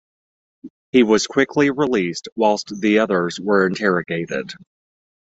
He was quickly released whilst the others were interrogated.